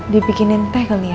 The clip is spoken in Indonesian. dibikinin teh kali ya